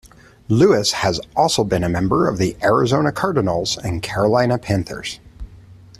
Lewis has also been a member of the Arizona Cardinals and Carolina Panthers.